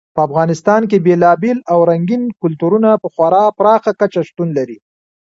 په افغانستان کې بېلابېل او رنګین کلتورونه په خورا پراخه کچه شتون لري.